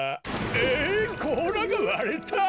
えっこうらがわれた！？